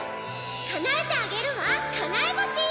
かなえてあげるわかなえぼし！